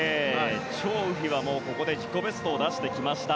チョウ・ウヒは、ここで自己ベストを出してきました。